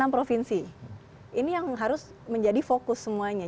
enam provinsi ini yang harus menjadi fokus semuanya